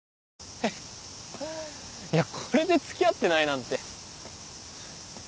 えいやこれで付き合ってないなんて。